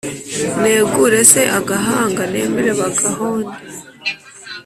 Negure se agahanga Nemere bagahonde ?